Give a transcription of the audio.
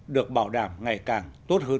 được bảo đảm ngày càng tốt hơn